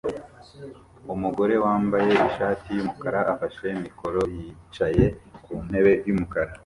Umugore wambaye ishati yumukara afashe mikoro yicaye ku ntebe yumukara